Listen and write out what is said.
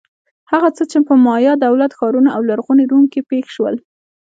هغه څه چې په مایا دولت-ښارونو او لرغوني روم کې پېښ شول.